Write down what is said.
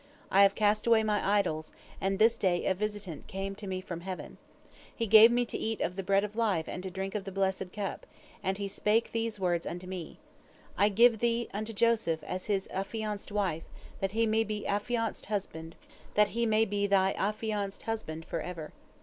I have cast away my idols, and this day a visitant came to me from heaven. He gave me to eat of the bread of life and to drink of the blessed cup, and he spake these words unto me, 'I give thee unto Joseph as his affianced wife, that he may be thy affianced husband forever.'